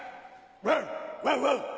ワンワンワン。